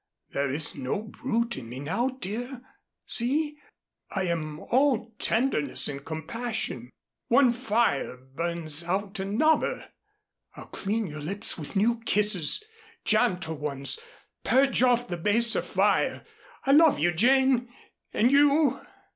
There is no brute in me now, dear. See. I am all tenderness and compassion. One fire burns out another. I'll clean your lips with new kisses gentle ones purge off the baser fire. I love you, Jane. And you